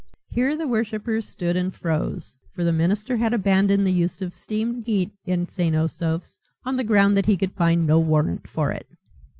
Here the worshippers stood and froze, for the minister had abandoned the use of steam heat in St. Osoph's on the ground that he could find no warrant for it.